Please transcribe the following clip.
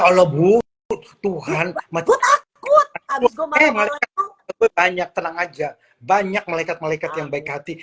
allah bu tuhan mati aku aku banyak tenang aja banyak melekat melekat yang baik hati